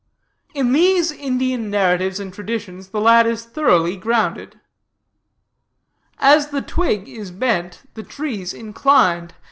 In these Indian narratives and traditions the lad is thoroughly grounded. "As the twig is bent the tree's inclined."